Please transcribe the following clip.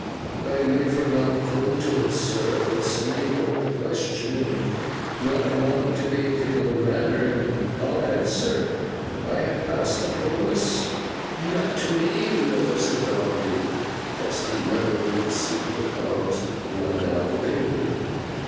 'I'd leefer not coom to 't, sir; but sin you put th' question—an' not want'n t' be ill manner'n—I'll answer. I ha passed a promess.' 'Not to me, you know,' said Bounderby. (Gusty weather with deceitful calms. One now prevailing.)